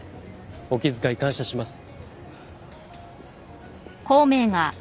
お気遣い感謝します。